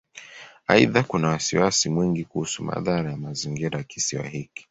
Aidha, kuna wasiwasi mwingi kuhusu madhara ya mazingira ya Kisiwa hiki.